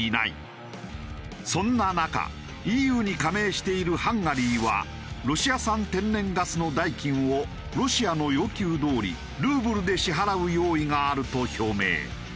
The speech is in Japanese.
そんな中ＥＵに加盟しているハンガリーはロシア産天然ガスの代金をロシアの要求どおりルーブルで支払う用意があると表明。